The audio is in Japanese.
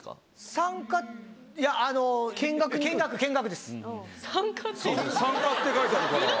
参加って書いてあるから。